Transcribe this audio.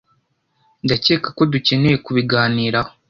Ndacyeka ko dukeneye kubiganiraho.